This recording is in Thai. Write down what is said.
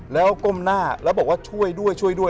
แล้วก้มหน้าแล้วบอกว่าช่วยด้วยช่วยด้วย